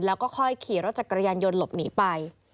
แล้วก็ค่อยขี่รถจักรยานยนต์หลบหนีไป